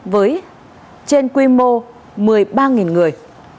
với trên quy mô một mươi ba người